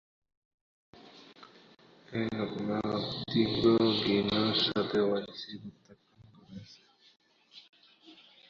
এ ঘটনাকে তীব্র ঘৃণার সাথে ওআইসি প্রত্যাখ্যান করছে।